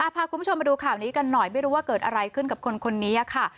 พาคุณผู้ชมมาดูข่าวนี้กันหน่อยไม่รู้ว่าเกิดอะไรขึ้นกับคนนี้ค่ะ